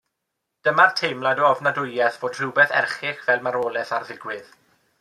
Dyma'r teimlad o ofnadwyaeth fod rhywbeth erchyll fel marwolaeth ar ddigwydd.